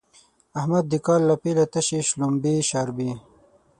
احمد د کال له پيله تشې شلومبې شاربي.